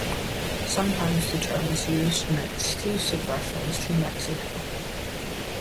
Sometimes the term is used in exclusive reference to Mexico.